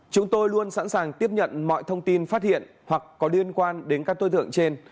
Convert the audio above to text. chúng tôi luôn sẵn sàng tiếp nhận mọi thông tin phát hiện hoặc có liên quan đến các đối tượng trên